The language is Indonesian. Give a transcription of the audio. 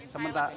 di mana aja pak